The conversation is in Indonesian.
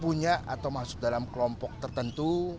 punya atau masuk dalam kelompok tertentu